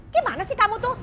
gimana sih kamu tuh